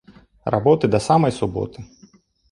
Работы да самай суботы